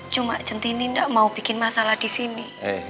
cuma cintinik gak mau bikin masalah di sini